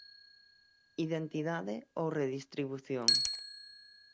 Identidade ou redistribución?